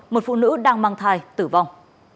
một phụ nữ đang mang thai tử vong